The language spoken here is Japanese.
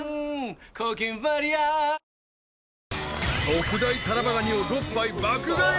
［特大タラバガニを６杯爆買い。